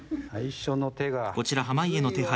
こちら濱家の手牌。